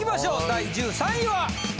第１３位は！